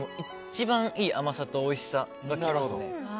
一番いい甘さとおいしさですね。